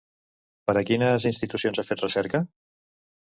Per a quines institucions ha fet recerca?